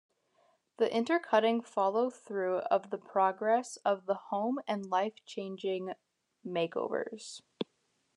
The intercutting follow through of the progress of the home and life-changing makeovers.